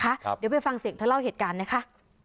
เดี๋ยวไปฟังเสียงเธอเล่าเหตุการณ์นะคะ